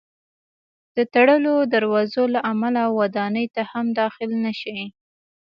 د تړلو دروازو له امله ودانۍ ته هم داخل نه شي.